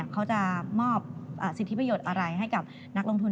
เขาจะมอบสิทธิประโยชน์อะไรให้กับนักลงทุน